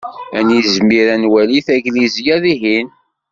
Ad nizmir ad nwali taglisya dihin.